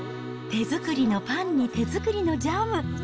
手作りのパンに手作りのジャム。